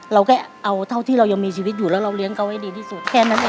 เราเรียงเขาให้ดีที่สุด